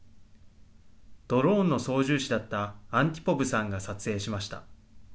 ドローンの操縦士だったアンティポブさんが撮影しました。